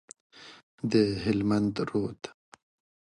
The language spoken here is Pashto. د هلمند رود،